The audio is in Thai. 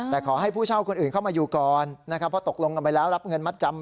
แต่ขอให้ผู้เช่าคนอื่นเข้ามาอยู่ก่อนนะครับเพราะตกลงกันไปแล้วรับเงินมัดจำ